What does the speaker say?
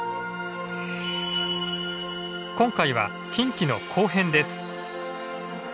今回は近畿の後編です。